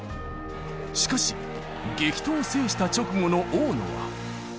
しかし、激闘を制した直後の大野は。